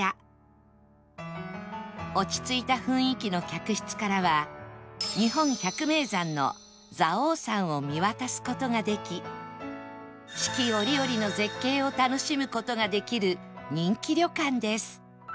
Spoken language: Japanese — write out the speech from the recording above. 落ち着いた雰囲気の客室からは日本百名山の蔵王山を見渡す事ができ四季折々の絶景を楽しむ事ができる人気旅館です